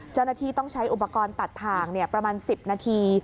เจ้าหน้าที่ต้องใช้อุปกรณ์ตัดทางประมาณ๑๐นาที